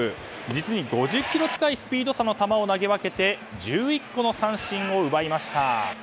実に５０キロ近いスピード差の球を投げ分けて１１個の三振を奪いました。